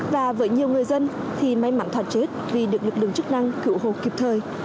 và với nhiều người dân may mắn thoát chết vì được lực lượng chức năng cửu hộ kịp thời